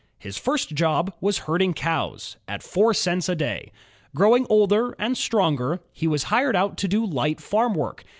His first job was herding cows, at four cents a day. Growing older and stronger, he was hired out to do light farm work.